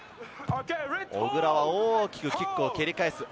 小倉は大きくキックを蹴り返す。